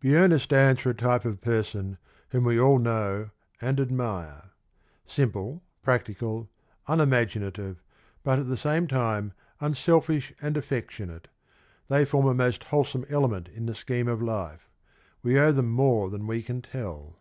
Peona stands for a type of person whom we all know and admire. Simple, practical, unimaginative, but at the same time unselfish and affectionate, they form a most wholesome element in the scheme of life; we owe them more than we can tell.